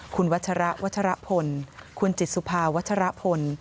คุณวัชระวัชรพลคุณจิตสุภาวัชรพล